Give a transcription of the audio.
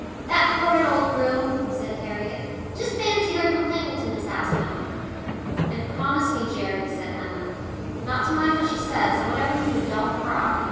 "That horrid old Broom," said Harriet, "just fancy her complaining to Miss Aspinall." And "Promise me, Gerry," said Emma, "not to mind what she says, and whatever you do, don't cry.